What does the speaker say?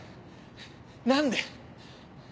何で。